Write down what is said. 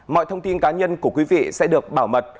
mọi thông tin cá nhân của quý vị sẽ được bảo mật